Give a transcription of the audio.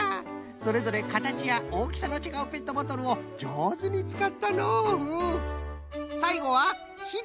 それぞれかたちやおおきさのちがうペットボトルをじょうずにつかったのううん。